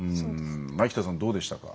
前北さん、どうでしたか？